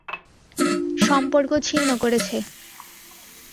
সম্পর্ক ছিন্ন করেছে।